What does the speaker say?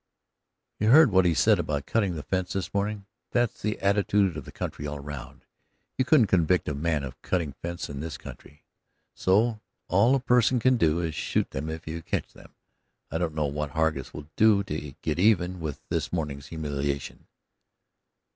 "You heard what he said about cutting the fence this morning. That's the attitude of the country all around. You couldn't convict a man for cutting a fence in this country. So all a person can do is shoot them if you catch them at it. I don't know what Hargus will do to get even with this morning's humiliation."